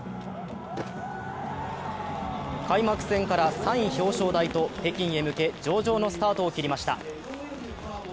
開幕戦から３位表彰台と北京へ向け上々のスタートを切りました。